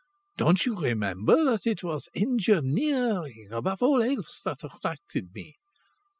Don't you remember that it was engineering, above all else, that attracted me?